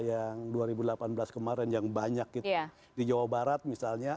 yang dua ribu delapan belas kemarin yang banyak gitu di jawa barat misalnya